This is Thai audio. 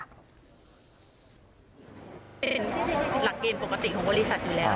เป็นหลักเกณฑ์ปกติของบริษัทอยู่แล้ว